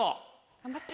頑張って。